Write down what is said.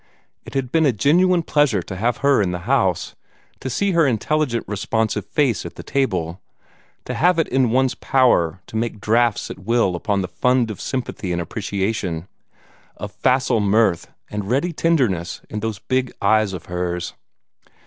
It had been a genuine pleasure to have her in the house to see her intelligent responsive face at the table to have it in one's power to make drafts at will upon the fund of sympathy and appreciation, of facile mirth and ready tenderness in those big eyes of hers.